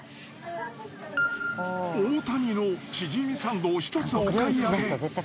大谷のチヂミサンドを１つお買い上げ。